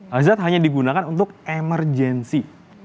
hazard hanya digunakan untuk emergency